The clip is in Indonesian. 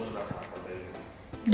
dari berapa tahun tadi